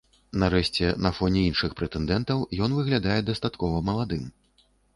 Нарэшце, на фоне іншых прэтэндэнтаў ён выглядае дастаткова маладым.